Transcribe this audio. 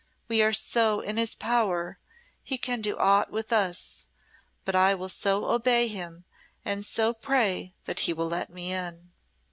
We are so in His power, He can do aught with us; but I will so obey Him and so pray that He will let me in."